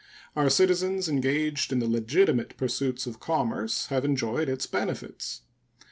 Our citizens engaged in the legitimate pursuits of commerce have enjoyed its benefits.